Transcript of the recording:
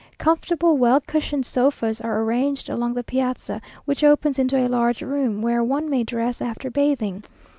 Comfortable well cushioned sofas are arranged along the piazza, which opens into a large room, where one may dress after bathing.